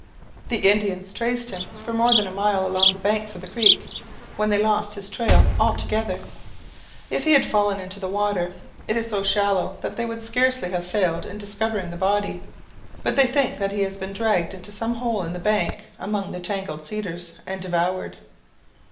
The Indians traced him for more than a mile along the banks of the creek, when they lost his trail altogether. If he had fallen into the water, it is so shallow, that they could scarcely have failed in discovering the body; but they think that he has been dragged into some hole in the bank among the tangled cedars, and devoured.